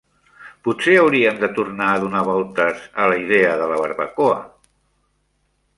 Potser hauríem de tornar a donar voltes a la idea de la barbacoa?